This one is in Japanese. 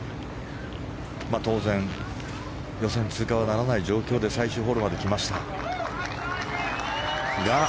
当然、予選通過はならない状況で最終ホールまで来ました。